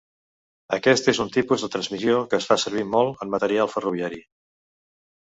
Aquest és un tipus de transmissió que es fa servir molt en material ferroviari.